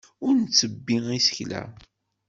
Ur nttebbi isekla.